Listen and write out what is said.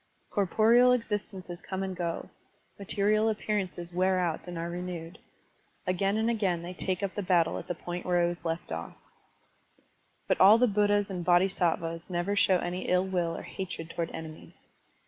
Cor poreal existences come and go, material appear ances wear out and are renewed. Again and again they take up the battle at the point where it was left oflE. But all the Buddhas and Bodhisattvas never show any ill will or hatred toward enemies.